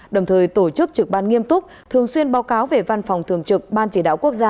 đồng thời tổ chức trực ban nghiêm túc thường xuyên báo cáo về văn phòng thường trực ban chỉ đạo quốc gia